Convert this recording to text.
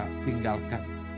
dan mereka tinggalkan